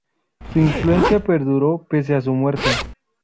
Su influencia perduró pese a su muerte.